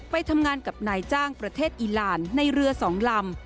ไปทำงานกับนายจ้างประเทศอีหลานในเรือ๒ลำ